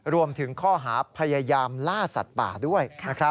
รวมถึงข้อหาพยายามล่าสัตว์ป่าด้วย